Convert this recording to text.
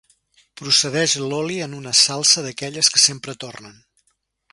Precedeix l'oli en una salsa d'aquelles que sempre tornen.